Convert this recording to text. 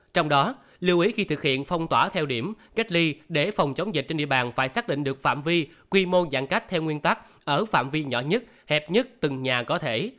trong đó lưu ý khi thực hiện phong tỏa theo điểm cách ly để phòng chống dịch trên địa bàn phải xác định được phạm vi quy mô giãn cách theo nguyên tắc ở phạm vi nhỏ nhất hẹp nhất từng nhà có thể